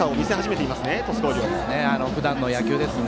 ふだんの野球ですね。